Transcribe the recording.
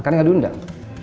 kan gak diundang